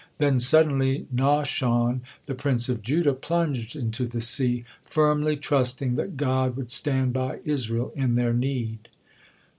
Then suddenly Nahshon, the prince of Judah, plunged into the sea, firmly trusting that God would stand by Israel in their need.